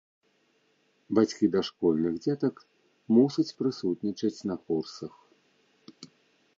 Бацькі дашкольных дзетак мусяць прысутнічаць на курсах.